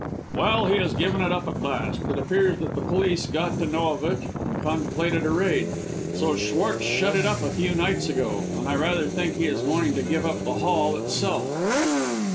"Well, he has given it up at last. It appears that the police got to know of it, and contemplated a raid, so Schwartz shut it up a few nights ago; and I rather think he is going to give up the hall itself."